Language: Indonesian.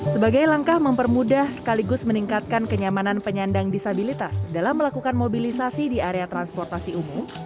sebagai langkah mempermudah sekaligus meningkatkan kenyamanan penyandang disabilitas dalam melakukan mobilisasi di area transportasi umum